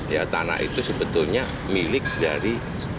ya tanah itu sebetulnya milik dari